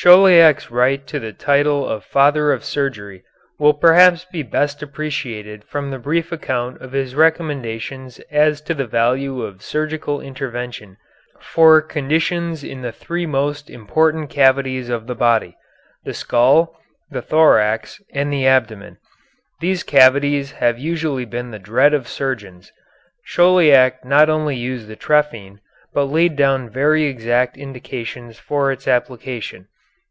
Chauliac's right to the title of father of surgery will perhaps be best appreciated from the brief account of his recommendations as to the value of surgical intervention for conditions in the three most important cavities of the body, the skull, the thorax, and the abdomen. These cavities have usually been the dread of surgeons. Chauliac not only used the trephine, but laid down very exact indications for its application.